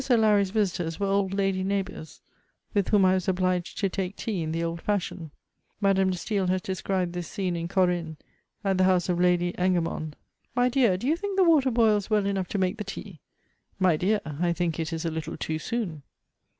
O'Larry's visitors were old lady neighbours, with whom I was obliged to take tea in the old fashion. Madame de StaSl has described this scene in Corinne, at the house of Lady Engermond :" My dear, do you think the water boils well enough to make the tea ?"—My dear, I think it is a Ettle too soon."